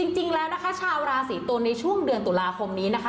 จริงแล้วนะคะชาวราศีตุลในช่วงเดือนตุลาคมนี้นะคะ